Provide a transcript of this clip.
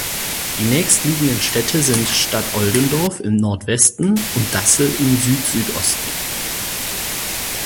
Die nächstliegenden Städte sind Stadtoldendorf im Nordwesten und Dassel im Südsüdosten.